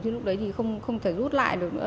chứ lúc đấy thì không thể rút lại được nữa